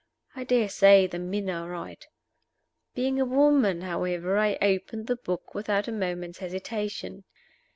I dare say the men are right. Being a woman, however, I opened the book without a moment's hesitation.